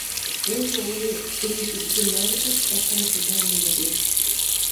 بۇ سوۋغىنى ئۈرۈمچىدىكى «مەرىپەت» كىتابخانىسى تەمىنلىدى.